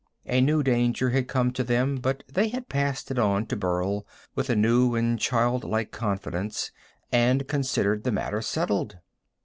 A new danger had come to them, but they had passed it on to Burl with a new and childlike confidence and considered the matter settled.